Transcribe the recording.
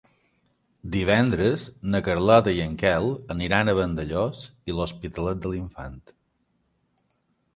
Divendres na Carlota i en Quel aniran a Vandellòs i l'Hospitalet de l'Infant.